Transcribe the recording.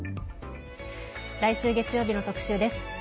来週月曜日の特集です。